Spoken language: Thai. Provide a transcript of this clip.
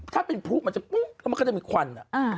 ถ้าเป็นผู้มันจะมันก็จะมีขวัญอ่ะ